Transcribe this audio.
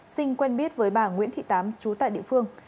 sinh quen biết với bà nguyễn thị tám trú tại địa phương